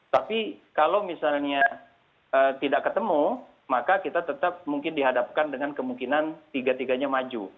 tapi kalau misalnya tidak ketemu maka kita tetap mungkin dihadapkan dengan kemungkinan tiga tiganya maju